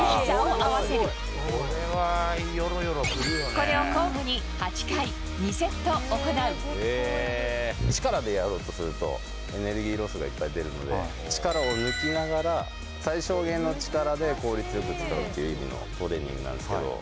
これを交互に８回、２セット力でやろうとすると、エネルギーロスがいっぱい出るので、力を抜きながら、最小限の力で効率よく使うっていう意味のトレーニングなんですけ